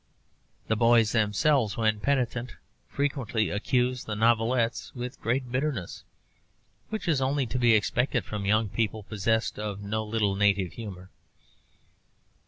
The boys themselves, when penitent, frequently accuse the novelettes with great bitterness, which is only to be expected from young people possessed of no little native humour.